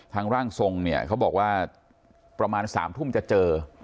ร่างทรงเนี่ยเขาบอกว่าประมาณ๓ทุ่มจะเจอ